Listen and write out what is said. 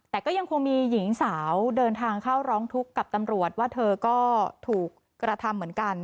แต่ก็ยังคงมีหญิงสาวเดินทางเข้าร้องทุกข์กับตำรวจว่าเธอก็ถูกกระทำเหมือนกัน